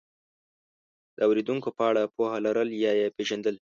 د اورېدونکو په اړه پوهه لرل یا یې پېژندل،